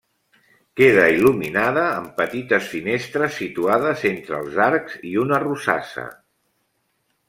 Queda il·luminada amb petites finestres situades entre els arcs i una rosassa.